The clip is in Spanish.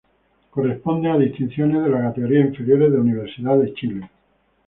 Corresponden a distinciones en las categorías inferiores de Universidad de Chile.